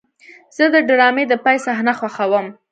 زه د ډرامې د پای صحنه خوښوم.